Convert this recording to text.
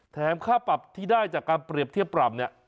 ค่าปรับที่ได้จากการเปรียบเทียบปรับเนี่ย